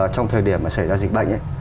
trong thời điểm mà xảy ra dịch bệnh